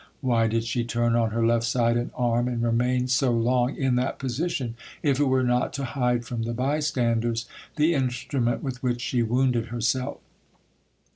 Why did she turn on her left side and arm and remain so long in that position, if it were not to hide from the bystanders the instrument with which she wounded herself?